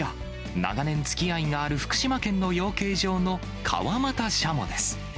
長年つきあいがある福島県の養鶏場の川俣シャモです。